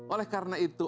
oleh karena itu